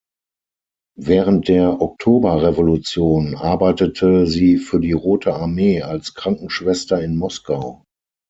Während der Oktoberrevolution arbeitete sie für die Rote Armee als Krankenschwester in Moskau.